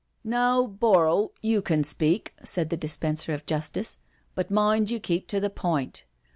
" Now, Borrow, you can speak," said the Dispenser of Justice, " but mind you keep to the point.